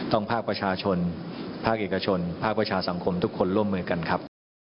ภาคประชาชนภาคเอกชนภาคประชาสังคมทุกคนร่วมมือกันครับ